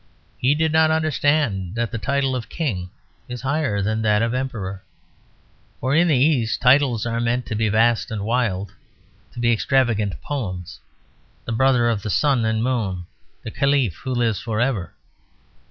He did not understand that the title of King is higher than that of Emperor. For in the East titles are meant to be vast and wild; to be extravagant poems: the Brother of the Sun and Moon, the Caliph who lives for ever.